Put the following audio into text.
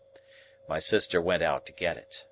My sister went out to get it.